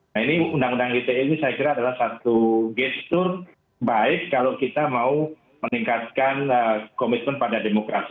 nah ini undang undang ite ini saya kira adalah satu gestur baik kalau kita mau meningkatkan komitmen pada demokrasi